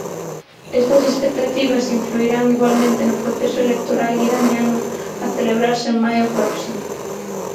Estas expectativas influirán igualmente no proceso electoral iraniano a celebrarse en maio próximo.